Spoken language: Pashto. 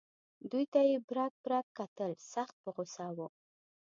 دوی ته یې برګ برګ کتل سخت په غوسه و.